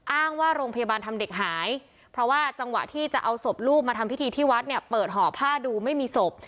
อ้างว่าโรงพยาบาลทำเด็กหายเพราะว่าจังหวะที่จะเอาศพลูกมาทำพิธีที่วัดเนี่ยเปิดห่อผ้าดูไม่มีศพ